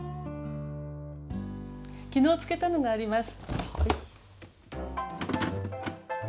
昨日漬けたのがあります。